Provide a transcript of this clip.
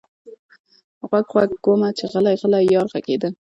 غوږ، غوږ ومه چې غلـــــــی، غلـــی یار غږېده